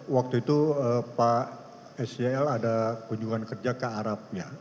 waktu itu pak s y l ada kunjungan kerja ke arab